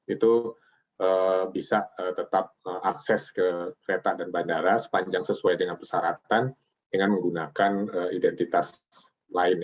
itu bisa tetap akses ke kereta dan bandara sepanjang sesuai dengan persyaratan dengan menggunakan identitas lain